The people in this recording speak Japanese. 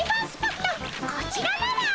こちらなら。